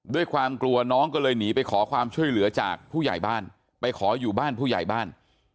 ด้วยความกลัวน้องก็เลยหนีไปขอความช่วยเหลือจากผู้ใหญ่บ้านไปขออยู่บ้านผู้ใหญ่บ้าน